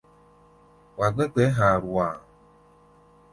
Wá̧á̧ gbɛ̧́ gbɛ̧ɛ̧́ ha̧a̧rua̧a̧.